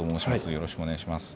よろしくお願いします。